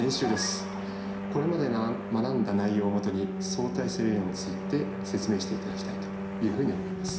これまで学んだ内容をもとに相対性理論について説明して頂きたいというふうに思います。